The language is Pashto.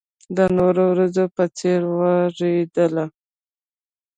د نورو ورځو په څېر وېرېدله.